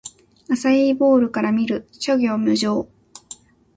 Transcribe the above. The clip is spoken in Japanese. アサイーボウルから見る！諸行無常